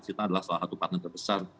china adalah salah satu partner terbesar